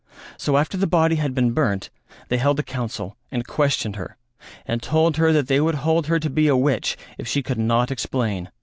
So after the body had been burnt they held a council and questioned her and told her that they would hold her to be a witch, if she could not explain.